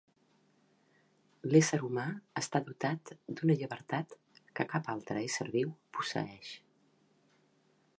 L'ésser humà està dotat d'una llibertat que cap altre ésser viu posseeix.